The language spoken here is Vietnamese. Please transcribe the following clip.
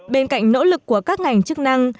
bên cạnh nỗ lực của các ngành chức năng